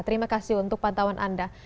terima kasih untuk pantauan anda